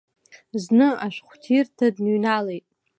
Зны ашәҟәыҭирҭа дныҩналеит.